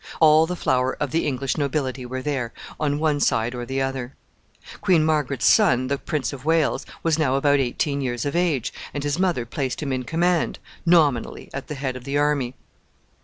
All the flower of the English nobility were there, on one side or on the other. Queen Margaret's son, the Prince of Wales, was now about eighteen years of age, and his mother placed him in command nominally at the head of the army.